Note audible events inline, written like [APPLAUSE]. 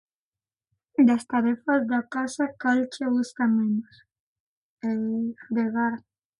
Das tarefas da casa cal che gusta menos? [HESITATION] Fregar.